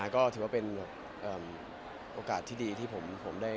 ก็เป็นโอกาสที่ดีที่ผมได้ขอเข้าไป